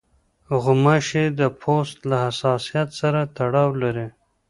غوماشې د پوست له حساسیت سره تړاو لري.